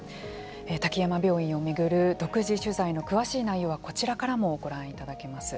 滝山病院を巡る独自取材の詳しい内容はこちらからもご覧いただけます。